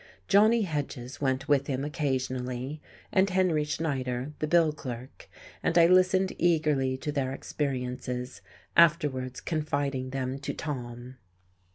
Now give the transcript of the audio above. Johnny Hedges went with him occasionally, and Henry Schneider, the bill clerk, and I listened eagerly to their experiences, afterwards confiding them to Tom....